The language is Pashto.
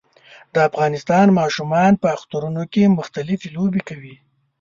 د افغانستان ماشومان په اخترونو کې مختلفي لوبې کوي